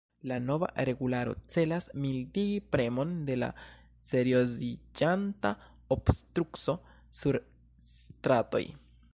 La nova regularo celas mildigi premon de la serioziĝanta obstrukco sur stratoj.